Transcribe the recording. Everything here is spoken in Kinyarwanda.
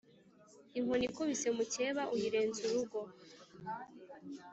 Inkoni ikubise mukeba uyirenza urugo.